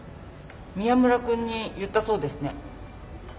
宮村君に言ったそうですね